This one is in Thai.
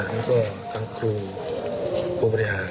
ในขณะนี้ก็ทั้งครูผู้บริหาร